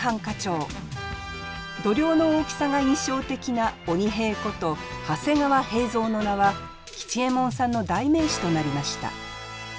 度量の大きさが印象的な鬼平こと長谷川平蔵の名は吉右衛門さんの代名詞となりました。